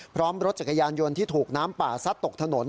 พร้อมรถจักรยานยนต์ที่ถูกน้ำป่าซัดตกถนน